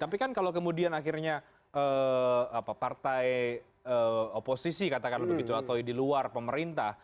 tapi kan kalau kemudian akhirnya partai oposisi katakanlah begitu atau di luar pemerintah